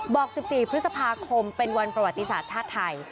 บอก๑๔พฤษภาคมเป็นวันประวัติศาสตร์ชาติไทย